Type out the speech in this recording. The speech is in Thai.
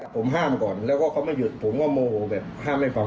ผมห้ามก่อนแล้วก็เขาไม่หยุดผมก็โมโหแบบห้ามให้ฟัง